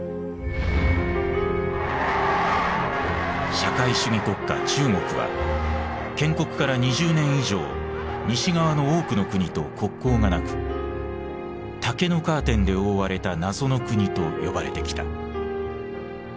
社会主義国家・中国は建国から２０年以上西側の多くの国と国交がなく「竹のカーテンで覆われた謎の国」と呼ばれてきた。